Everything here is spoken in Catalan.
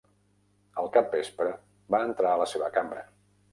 Al capvespre va entrar a la seva cambra.